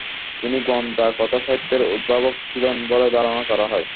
তিনি গোয়েন্দা কথাসাহিত্যের উদ্ভাবক ছিলেন বলে ধারণা করা হয়।